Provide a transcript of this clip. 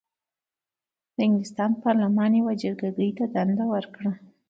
د انګلستان پارلمان یوې جرګه ګۍ ته دنده ورکړه.